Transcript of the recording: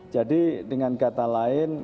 jadi dengan kata lain